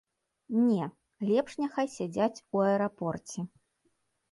Не, лепш няхай сядзяць у аэрапорце!